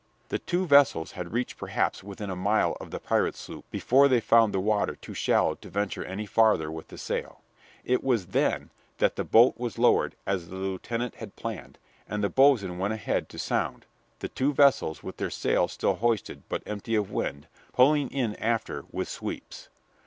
The two vessels had reached perhaps within a mile of the pirate sloop before they found the water too shallow to venture any farther with the sail. It was then that the boat was lowered as the lieutenant had planned, and the boatswain went ahead to sound, the two vessels, with their sails still hoisted but empty of wind, pulling in after with sweeps.